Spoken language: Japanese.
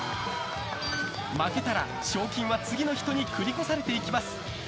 負けたら賞金は次の人に繰り越されていきます。